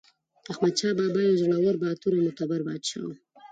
احمدشاه بابا یو زړور، باتور او مدبر پاچا و.